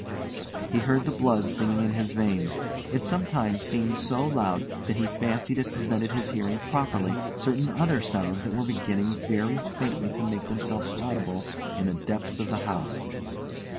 He heard the blood singing in his veins. It sometimes seemed so loud that he fancied it prevented his hearing properly certain other sounds that were beginning very faintly to make themselves audible in the depths of the house.